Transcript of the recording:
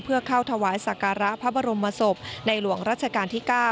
เพื่อเข้าถวายสักการะพระบรมศพในหลวงรัชกาลที่๙